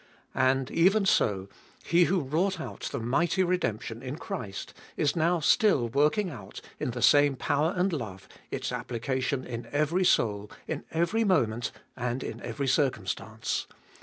And, even so, He who wrought out the mighty redemption in Christ is now still working out, in the same power and love, its applica tion in every soul, in every moment and in every circumstance.